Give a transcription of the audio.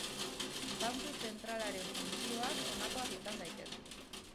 Banku zentralaren funtzioak honakoak izan daitezke.